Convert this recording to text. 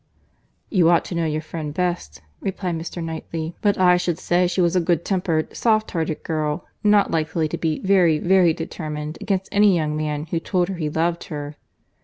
"You ought to know your friend best," replied Mr. Knightley; "but I should say she was a good tempered, soft hearted girl, not likely to be very, very determined against any young man who told her he loved her."